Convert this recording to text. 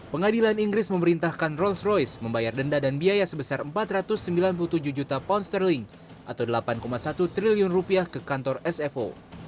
pengadilan inggris memerintahkan rolls royce membayar denda dan biaya sebesar empat ratus sembilan puluh tujuh juta pound sterling atau delapan satu triliun rupiah ke kantor sfo